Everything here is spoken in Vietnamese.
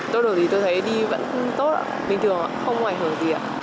đổ đổ thì tôi thấy đi vẫn tốt bình thường không ngoài hở gì